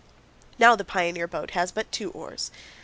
Now the pioneer boat has but two oars.